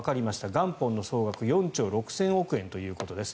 元本の総額４兆６０００億円ということです。